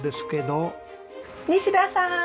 西田さーん！